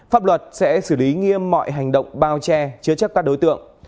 pháp luật sẽ xử lý nghiêm mọi hành động bao che chứa chấp các đối tượng